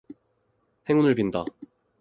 행운을 빈다.